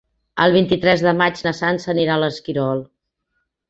El vint-i-tres de maig na Sança anirà a l'Esquirol.